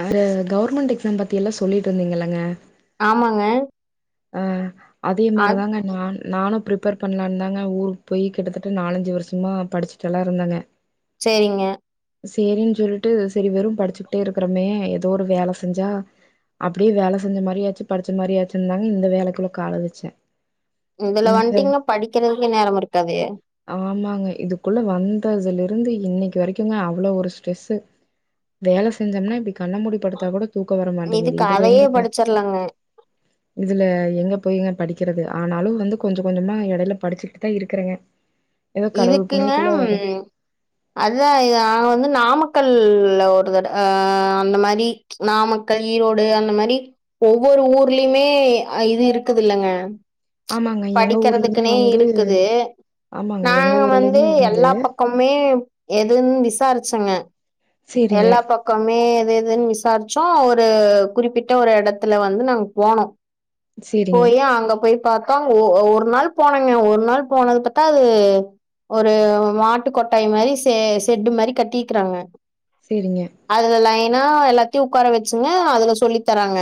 ஆரு government exam பத்தி எல்லா சொல்லிட்ருந்தீங்கல்லங்க ஆமாங்க அ அதே அது மாரிதாங்க நான் நானு ப்ரிப்பேர் பண்ணலாதாங்க ஊருக்கு போய் கிட்டத்தட்ட நாலஞ்சு வர்ஷமாக படிச்சிட்டல்லா இருந்தங்க சேரிங்க சேரின் சொல்ட்டு சேரி வெறு படிச்சுக்ட்டே இருக்கறோமே எதோ ஒரு வேல செஞ்சா அப்டியே வேல செஞ்ச மாரியாச்சு படிச்ச மாரி ஆச்சுந்தாங்க இந்த வேலைக்குள்ள காலவச்சே இதுல வந்டீங்கனா படிக்கறதுக்கே நேரம் இருக்காதே ஆமாங்க இதுக்குள்ள வந்ததுல இருந்து இன்னிக்கு வரிக்குங்க அவ்வளவு ஒரு ஸ்ட்ரெஸ்ஸு வேல செஞ்சோம்னா இப்டி கண்ணமூடி படுத்தாகூட தூக்கோ வர மாட்டேங்குது இதுல எங்கங்க தெர்லங்க இதுல எங்க போய்ங்க படிக்கிறது ஆனாலு வந்து கொஞ்சோ கொஞ்சமா இடைல படிச்சுட்டுதா இருக்கறங்க இதுக்குங்க ம் அதுதா இது நாவந்து நாமக்கல்ல ஒரு தட அ அந்தமாரி நாமக்கல் ஈரோடு அந்த மாரி ஒவ்வொரு ஊர்லயுமே இது இருக்குதுல்லங்க ஆமாங்க எங்க ஊர்லயுமே படிக்கறதுக்குன்னே வந்து இருக்குது ஆமாங்க எங்க நாங்க வந்து ஊர்லயுமே எல்லா பக்க மே எதுன் விசாரிச்சங்க சேரிங்க எல்லா பக்கோ கமே எது எதுன் விசாரிச்சோ ஒரு குறிப்பிட்ட ஒரு எடத்துல வந்து நாங் போனோ சேரிங்க போயி அங்க போய் அக்காங் ஒ ஒரு நாள் போனங்க ஒரு நாள் போனது பத்தா அது ஒரு மாட்டு கொட்டாய் மாரி செ செட்டு மாரி கட்டிக்கிறாங்க சேரிங்க அதுல லைனா எல்லாத்தையு உக்கார வெச்சுங்க அதுல சொல்லி தராங்க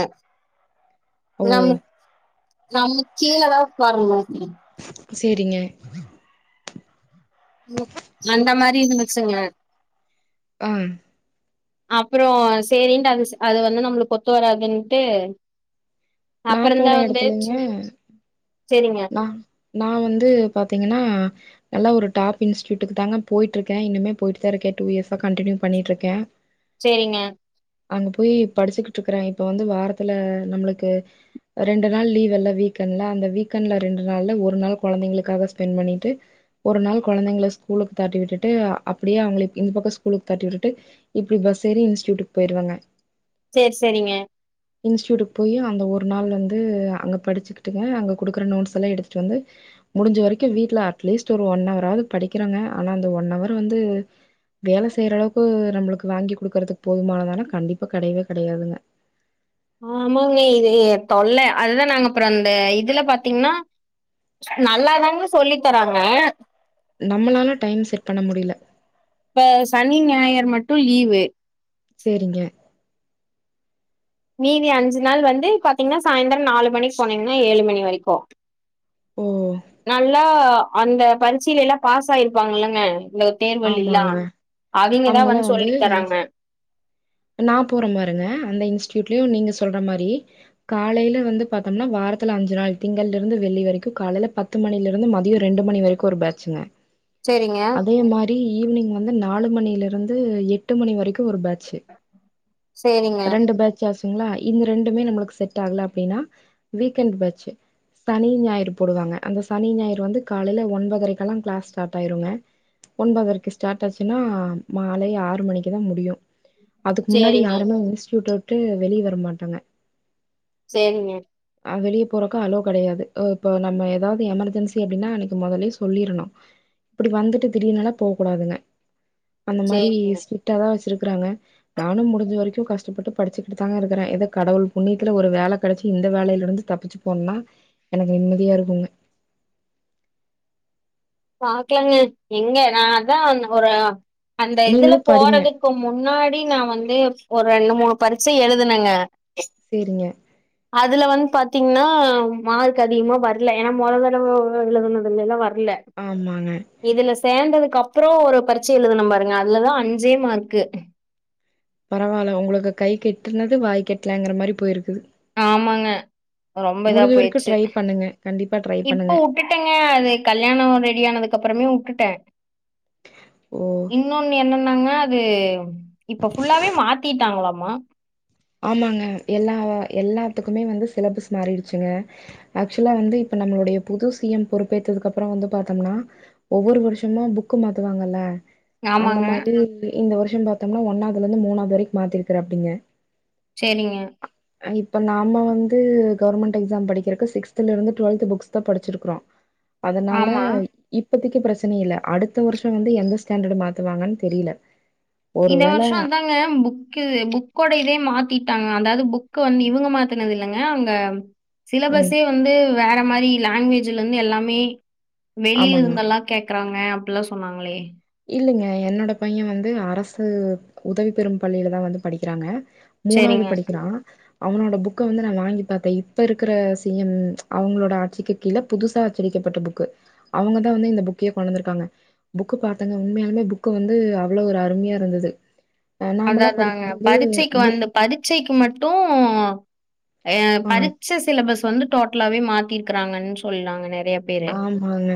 ஓ நம்ம நம்ம கீழதா உக்காரனு சேரிங்க ம் அந்தமாரி இருந்துச்சுங்க அ [inaudible] அப்புறோ சேரின்ட்டு அது அது வந்து நம்ளுக்கு ஒத்து வராதுன்ட்டு நா அப்புறோதா போன வந்து சும் சேரிங்க அ நா வந்து பாத்தீங்கன்னா நல்ல ஒரு டாப் இன்ஸ்ட்டியூட்டுக்கு தாங்க போய்ட்ருக்கே இன்னுமே போய்ட்டுதா இருக்கே டூ இயர்ஸா கன்டினியூ பண்ணிட்ருக்கே சேரிங்க அங்க போய் படிச்சுக்கிட்ருக்குறே இப்ப வந்து வாரத்துல நம்முளுக்கு ரெண்டு நாள் லீவுல்ல வீக் என்ட்ல அந்த வீக் கண்ட்ல ரெண்டு நாள்ல ஒரு நாள் கொழந்தைங்களுக்காக ஸ்பெண்ட் பண்ணிட்டு ஒருநாள் கொழந்தைங்கள ஸ்கூலுக்கு தாட்டி விட்டுட்டு அப்டியே அவுங்கள இந்த பக்கோ ஸ்கூலுக்கு தாட்டி விட்டுட்டு இப்டி பஸ் ஏறி இன்ஸ்டியூட்க்கு போய்ருவங்க சேரி சேரிங்க இன்ஸ்டடியூட்க்கு போயி அந்த ஒரு நாள் வந்து அங்க படிச்சுக்கிட்டுங்க அங்க குடுக்குற நோட்ஸலா எடுத்துட்டு வந்து முடிஞ்சவரிக்கு வீட்ல அட்லீஸ்ட் ஒரு ஒன் அவாராது படிக்கிறங்க ஆனா அந்த ஒன் ஹவர் வந்து வேல செய்ற அளவுக்கு நம்மளுக்கு வாங்கி குடுக்குறதுக்கு போதுமானதானா கண்டிப்பா கடையவே கடையாதுங்க ஆமாங்க இது தொல்ல அதுதா நாங்க அப்புறோ அந்த இதுல பாத்தீங்னா நல்லாதாங்க சொல்லி தராங்க நம்மளால டைம் செட் பண்ண முடில இப்ப சனி ஞாயர் மட்டு லீவு செரிங்க மீதி அஞ்சு நாள் வந்து பாத்தீங்கனா சாயந்திர நாலு மணிக்கு போனீங்கனா ஏழு மணி வரைக்கு ஓ! நல்லா அந்த பரிட்சிலல்லா பாஸ் ஆயிருப்பாங்கலங்க லொத் தேர்வல் இல்லா ஆமாங்க. அவிங்கதா வந்து சொல்லி தராங்க நான் போற பாருங்க அந்த இன்ஸ்ட்டியூட்லயு நீங்க சொல்ற மாரி காலைல வந்து பாத்தோம்னா வாரத்துல அஞ்சு நாள் திங்கள் இருந்து வெள்ளி வரைக்கு காலைல பத்து பத்து மணில இருந்து மதிய ரெண்டு மணி வரைக்கு ஒரு பேட்சுங்க சேரிங்க அதே மாரி ஈவினிங் வந்து நாலு மணிலருந்து எட்டு மணி வரைக்கு ஒரு பேட்ச செ சேரிங்க ரெண்டு பேட்ச் சாஸ்ங்களா இந்த ரெண்டுமே நம்மளுக்கு செட் ஆகல அப்டின்னா வீக்கெண்ட் பேட்ச் சனி ஞாயிறு போடுவாங்க அந்த சனி ஞாயிறு வந்து காலைல ஒன்பதுரைக்கெல்லா க்ளாஸ் ஸ்டார்ட் ஆயிருங்க ஒன்பதரைக்கு ஸ்டார்ட் ஆச்சுன்னா மாலை ஆறு மணிக்குதா முடியு அதுக்கு முன்னாடி சேரிங்க யாருமே இன்ஸ்ட்யூட்ட விட்டு வெளிய வர மாட்டாங்க செரிங்க அங்க லீவ் போடுறக்கு அலோ கெடையாது இப்ப நம்ம எதாவது எமர்ஜென்சி அப்டின்னா அன்னைக்கு மொதலே சொல்லிரணு இப்டி வந்துட்டு திடீர்னலா போக கூடாதுங்க அந்த மாரி சேரிங்க ஸ்ட்ரிக்ட்டாதா வச்சிருக்குறாங்க நானு முடிஞ்ச வரைக்கு கஷ்டப்பட்டு படிச்சுக்கிட்டுதாங்க இருக்குற ஏதோ கடவுள் புண்ணியத்துல ஒரு வேல கெடைச்சி இந்த வேலயில இருந்து தப்பிச்சு போன்னா எனக்கு நிம்மதியா இருக்குங்க பாக்லாங்க எங்க நா தா ஒரு அந்த நீங்களு இதுல படிங்க போறது இப்ப முன்னாடி நா வந்து ஒரு ரெண்டு மூணு பரிட்ச எழுதுனங்க செரிங்க அதுல வந்து பாத்தீங்கனா மார்க் அதிகமா வரல ஏன்னா மொததடவ [inaudible] இது எல்லா வரல ஆமாங்க இதுல சேந்ததுக்கு அப்பற ஒரு பரீட்ச எழுதணு பாருங்க அதுலதா அஞ்சே மார்க்கு பரவால்ல உங்களுக்கு கை கெட்டுனது வாய்க்கு எட்டலங்கிற மாரி போய்ருக்குது ஆமாங்க ரொம்ப இதா வரைக்கு போய்ச்சு ட்ரை பண்ணுங்க கண்டிப்பா ட்ரை இப்போ பண்ணுங்க உட்டுட்டங்க அது கல்யாண ரெடி ஆனதுக்கப்பறமே உட்டுட்ட ஓ. இன்னொன்னு என்னன்னாங்க அது இப்ப ஃபுல்லாவே மாத்திட்டாங்களாமா ஆமாங்க எல்லா எல்லாத்துக்குமே வந்து சிலபஸ் மாறிடுச்சுங்க ஆக்சுவலா வந்து இப்ப நம்மளுடைய புது சி எம் பொறுப்பேத்ததுக்கு அப்பற வந்து பாத்தோம்னா ஒவ்வொரு வருஷமு புக்கு மாத்துவாங்கல்ல அந்த ஆமாங்க மாரி இந்த வருஷ பாத்தோம்னா ஒன்னாவதுல இருந்து மூணாவது வரைக்கு மாத்திருக்கராப்படிங்க செரிங்க இப்போ நாம வந்து கவர்மெண்ட் எக்ஸாம் படிக்கிறக்கு சிக்ஸ்த்துல இருந்து டுவெல்த் புக்ஸ்தா படிச்சிருக்குறோ [inaudible] அதனால ஆமா இப்பதக்கு பிரச்சன இல்ல அடுத்த வருஷ வந்து எந்த ஸ்டாண்டர்டு மாத்துவாங்கன் தெரில இந்த வருஷந்தா ங்க புக்கு புக்கோட இதே மாத்திட்டாங்க அதாவது புக் வந்து இவங்க மாத்தினது இல்லங்க அங்க ம். ம். சிலபஸ்ஸே வந்து வேற மாரி லாங்குவேஜ்லருந்து எல்லாமே ஆமாங்க. வெளிலிருந்தெல்லா கேக்குறாங்க அப்பிட்லா சொன்னாங்களே இல்லலங்க என்னோட பைய வந்து அரசு உதவி பெறும் பள்ளியிலதா வந்து படிக்கிறாங்க மூணாவ்து சரிங்க படிக்கிறா அவனோட புக்க வந்து நா வாங்கி பாத்தே இப்ப இருக்கிற சி எம் அவங்களோட ஆட்சிக்கு கீழ புதுசா அச்சடிக்கப்பட்ட புக்கு அவங்க தா வந்து இந்த புக்கே கொண்டொந்துருக்காங்க புக்கு பாத் தங்க உண்மயாலுமே புக்கு வந்து அவ்ளோ ஒரு அருமியா இருந்துது அதாதாங்க பரிச்சைக்கு புக் வந்து பரீச்சைக்கு மட்டு அ ஆ பரிச்ச சிலபஸ் வந்து டோட்லாவே மாத்தியிருக்கிறாங்கன் சொல்லாங்க நெறைய பேரு ஆமாங்க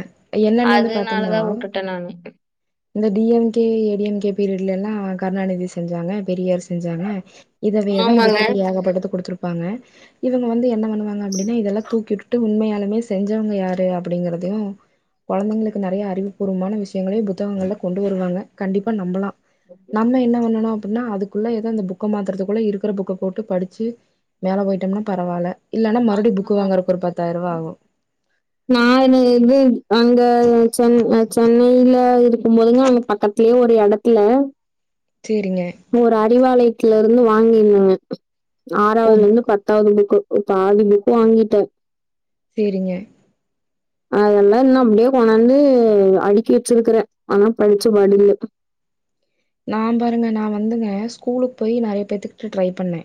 என்னன்னு வந்து பாத்தோம்னா அதுனாலதா உட்டுட்டே நானு இந்த டிஎம்கே ஏடிஎம்கே பீரியட்லெல்லா கருணாநிதி செஞ்சாங்க பெரியார் செஞ்சாங்க இதவையதா ஆமாங்க. புக்கு [unintelligible] ஏகப்பட்டது குடுத்துருப்பாங்க இவங்க வந்து என்ன பண்ணு வாங்க அப்புடினா இதெல்லா தூக்கிவுட்டுட்டு உண்மையாலுமே செஞ்சவங்க யாரு அப்படிங்கறதயு கொழந்திங்ளுக்கு நெறைய அறிவுபூர்வமான விஷயங்களையு புத்தகங்கள்ல கொண்டு வருவாங்க கண்டிப்பா நம்பலா நம்ம என்ன பண்ணணு அப்பிட்னா அதுக் ஙுள்ள எதோ அந்த புக்க மாத்தறத்துக்குள்ள இருக்குற புக்க போட்டு படிச்சி மேல போயிட்டம்னா பரவால இல்லனா மறுட்யு புக்கு வாங்கறக் ஒரு பத்தாயிருபா ஆகு நானு இது அங்க சென் அ சென்னையில இருக் கும்போதெல்லா அங்க பக்கத்லியே ஒரு எடத்துல சேரிங்க ஒரு அறிவாளயத்ல இருந்து வாங்கிருந்தாங்க ஓ ஆறாவ்லந்து புக் பத் தாவது புக்கு பாதி புக்கு வாங்கிட்ட சேரிங்க அதெல்லா இன்னு அப்டே கொண்டாந்து அடிக்கி வெச்சிருக்குறே ஆனா படிச்ச பாடில்ல நா பாருங்க நா வந்துங்க ஸ்கூலுக் போய் நெறைய பேத்துக்கிட்ட ட்ரை பண்ண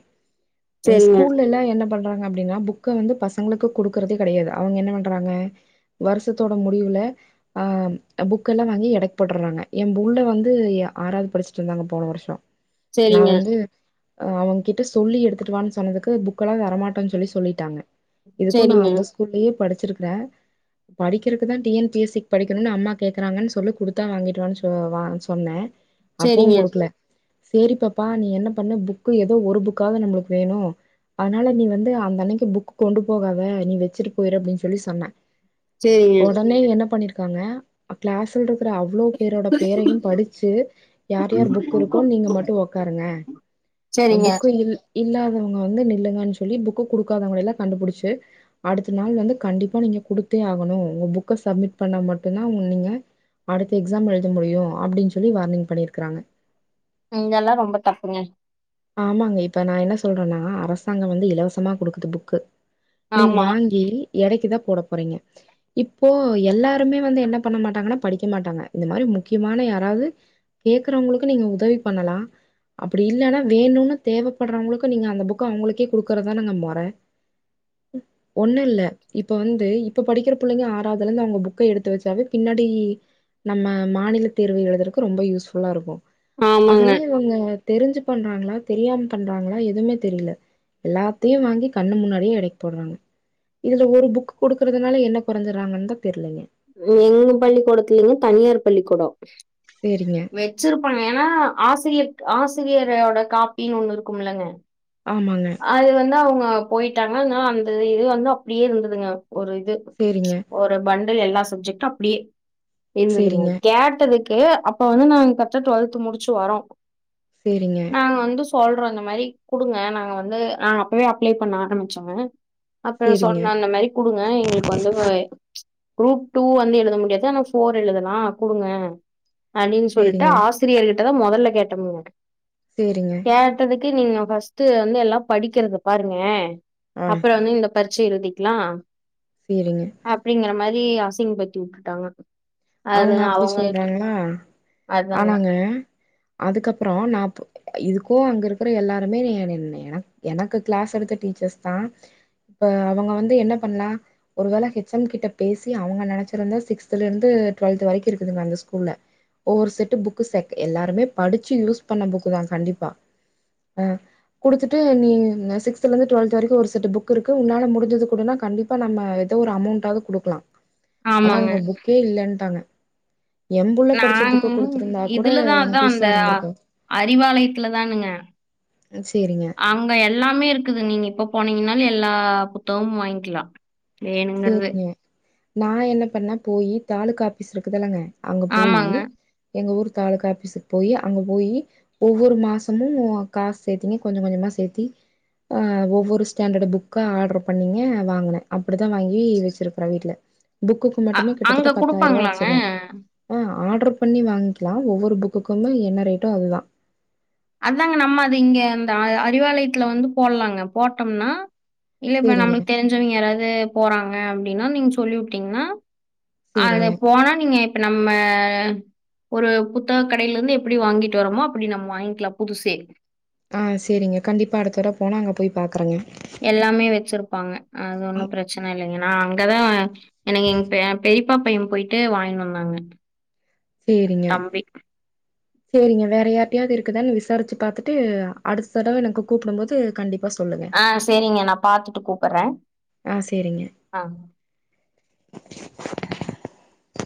அ சரிங்க, ஸ்கூலெல்லா என்ன பண்றாங்க அப்டினா புக்க வந்து பசங்களுக்கு குடுக்கறதுே கெடையாது அவங்க என்ன பண்றாங்க வருஷத்தோட முடிவுல ஆ புக்கெல்லா வாங்கி எடைக் போட்டுறாங்க எ புள்ள வந்து ஆறாவ்து படிச்ட்ருந்தாங்க போன வருஷோ நா சரிங்க, வந்து அ அவங் கிட்ட சொல்லி எடுத்துட்டுவான் சொன்னதுக்கு புக்கெல்லா தரமாட்டேன் சொல்லி சொல்லிட்டாங்க இதுக்கு நா சரிங்க, அந்த ஸ்கூல்லயே படிச்சிருக்கிறே படிக்கிறக்குதா T N P S sick படிக்கணுன் அம்மா கேக்குறாங்கன் சொல்லி குடுத்தா வாங்கிட்டுவான் சொ வா சொன்னே அப்பவு சரிங்க. குடுக்கல சேரி பாப்பா நீ என்ன பண்ணு புக்கு எதோ ஒரு புக்காவ்து நம்ப்ளுக் வேணு அதனால நீ வந்து அந்த அன்னைக்கு புக் கொண்டு போகாத நீ வெச்சிட்டு போய்ரு அப்டின் சொல்லி சொன்ன சேரிங் உன்னயு என்ன பண்ணிருக்காங்க அ க்ளாஸ்லருக்கிற அவ்ளோ பேரோட பேரையு படிச்சு யார் யார் புக் இருக்கோ நீங்க மட்டு ஒக்காருங்க அ சரிங்க புக்கு இல் இல்லாதவங்க வந்து நில்லுங்கன் சொல்லி புக்கு குடுக்காதவங்களெல்லா கண்டுபுடிச்சி அடுத்த நாள் வந்து கண்டிப்பா நீங்க குடுத்தே ஆகணு உங்க புக்க சப்மிட் பண்ணா மட்டுந்தா உ நீங்க அடுத்த எக்ஸாம் எழுத முடியு அப்படின் சொல்லி வார்னிங் பண்ணிர்கிறாங்க இங்கெல்லா ரொம்ப தப்புங்க ஆமாங்க இப்ப நா என்ன சொல்றன்னா அரசாங்க வந்து இலவசமா குடுக்குது புக்கு நீங் ஆமா வாங்கி எடைக்குதா போட போறீங்க இப்போ எல்லாருமே வந்து என்ன பண்ண மாட்டாங்கன்னா படிக்க மாட்டாங்க இந்த மாரி முக்கியமான யாராவ்து கேக்குறவங்குளுக்கு நீங்க உதவி பண்ணலா அப்டி இல்லனா வேணுனு தேவப்படுறவங்களுக்கு நீங்க அந்த புக் அவங்களுக்கே குடுக்குறதுதானங்க மொற ஒன்னு இல்ல இப்ப வந்து இப்ப படிக்கிற பிள்ளைங்க ஆறாவதுல இருந்து அவங்க புக்க எடுத்து வச்சாவே பின்னாடி நம்ம மாநில தேர்வு எழுதுறக்கு ரொம்ப யூஸ் ஃபுல்லா இருக்கு ஆமாங்க அதெல்லா இவங்க தெரிஞ்சு தெரிஞ்சு பண்றாங்களா தெரியாம பண்றாங்களா எதுமே தெரியில எல்லாத்தையு வாங்கி கண்ணு முன்னாடியே எடைக் போட்றாங்க இதுல ஒரு புக் குடுக்குறதுனால என்ன குறைஞ்சறாங்கன் தா தெரிலேங்க எங்க பள்ளிக்கூடத்துல்லைங்க தனியார் பள்ளிக்கூடோ சேரிங்க வெச்சிருப்பாங்க ஏன்னா ஆசிரியர்க் ஆசிரியரோட காப்பினு ஒண்ணு இருக்குமில்லங்க ஆமாங்க அது வந்து அவங்க போயிட்டாங்க ஆனா அந்த இது வந்து அப்டியே இருந்ததுங்க ஒரு இது சேரிங்க ஓர் பண்டுல் எல்லா சப்ஜெக்டு அப்டியே இருந்துதுங்க சரிங்க. கேட்டதுக் கே அப்ப வந்து நாங் கரெக்டா ட்வெல்து முடிச்சு வரோ சரிங்க. நாங்க வந்து சொ சொல்றோ இந்த மாரி குடுங்க நாங்க வந்து நாங்க அப்பவே அப்ளை பண்ண ஆரம்பிச்சோங்க அப்பற சரிங்க. சொன்ன இந்த மாரி குடுங்க எங்களுக்கு வந்து ச் குரூப் டூ வந்து எழுத முடியாது ஆனா ஃபோர் எழுதலா குடுங்க அப்டின் சொல்லிட்டு சரிங்க. ஆசிரியர்கிட்டதா மொதல்ல கேட்டம்ங்க சேரிங்க கேட்டதுக்கு நீங்க ஃபர்ஸ்ட்டு வந்து எல்லா படிக்கிறது பாருங்க ஆ. அப்புற வந்து இந்த பரிட்ச எழுதிக்கலா சேரிங்க அப்டிங்கற மாரி அசிங்க படுத்தி வுட்டுட்டாங்க அவங்க அப்டி சொல்றாங்களா அதாங்க ஆனாங்க அதுக்கப்புறோ நா பு இதுக்கு அங்க இருக்கற எல்லாருமே எனக் எனக்கு க்ளாஸ் எடுத்த டீச்சர்ஸ் தா இப்ப அவங்க வந்து என்ன பண்லா ஒரு வேள ஹெச் எம் கிட்ட பேசி அவங்க நெனைச்சிருந்தா சிக்ஸ்திலிருந்து டுவெல்த் வரைக்கு இருக்குதுங்க அந்த ஸ்கூல்ல ஒவ்வொரு செட்டு புக்கு செட் எல்லாருமே படிச்சு யூஸ் பண்ண புக்கு தா கண்டிப்பா ஹே குடுத்துட்டு நீ சிக்ஸ்த்ல இருந்து டுவெல்த் வரைக்கு ஒரு செட் புக் இருக்கு உன்னால முடிஞ்சது குடுனா கண்டிப் ப்பா நம்ம ஏதோ ஒரு அமௌண்டாவது குடுக்கலா ஆனா ஆமாங்க அவங்க புக்கே இல்லேன்ட்டாங்க எம்புள்ள படிச்ச நாங் புக்க குடுத்திருந்தா கூட இதுலதா அதா எனக்கு யூசா அந்த இருந்திருக்கு அறிவாலயத்துல தானுங்க அ சேரிங்க அங்க எல்லாமே இருக்குது நீங்க இப்ப போனீங்கனாலு எல்லா புத்தகமு வாங்கிக்லா சேரிங்க நா என்ன பண்ணே போயி தாலுக் ஆஃபிஸ் இருக்குதுலுங்க அங்க போயி ஆமாங்க எங்க ஊர் தாலுக்காஃபிஸுக்கு போயி அங்க போயி ஒவ்வொரு மாசமு காசு சேத்தீநீ கொஞ்சோ கொஞ்சமா சேத்தி அ ஒவ்வொரு ஸ்டாண்டர்டு புக்கா ஆர்ட்ரு பண்ணிங்க வாங்கன அப்டி தா வாங்கி வச்சிருக்கறே வீட்ல புக்குக்கு அ மட்டுமே கிட்டத்தட்ட அங்க பத்தாயிரூவா குடுப்பாங்களாங்க ஆச்சுங்க அ ஆர்ட்ரு பண்ணி வாங்கிக்லா ஒவ்வொரு புக்குக்கும்மே என்ன ரேட்டோ அதுதா அதாங்க நம்ம அது இங்க அந்த அ அறிவாலயத்துல வந்து போட்லாங்க போட்டோம்னா இல்ல இப்ப சேரிங்க நம்முழுக் தெரிஞ்சவங்க யாராவது போறாங்க அப்டினா நீங்க சொல்லி வுட்டீங்னா சேரிங்க அட போனா நீங்க இப்ப நம்ம ஒரு புத்தக கடேல இருந்து எப்டி வாங்கிட்டு வரமோ அப்டி நம்ம வாங்கி ல்லா புதுசே ஆ சேரிங்க கண்டிப்பா அடுத்த தடவ போனா அங்க போய் பாக்குறங்க எல்லாமே வச்சிருப்பாங்க அது ஒன்னு பிரச்சன இல்லங்க நா அங்கதா எனக்கு எங் பெ பெரியப்பா பையன் போயிட்டு வாங்கினு வந்தாங்க சேரிங்க தம்பி. [inaudible] சேரிங்க வேற யாரிட்டயாவது இருக்குதானு விசாரிச்சி பாத்துட்டு அடுத்த தடவ எனக்கு கூப்டு போது கண்டிப் ஆ சேரிங்க நா பாத்துட்டு கூப்புர ஆ சேரிங்க ஆ